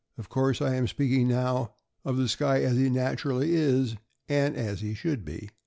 Of course I am speaking now of the Skye as he naturally is, and as he should be.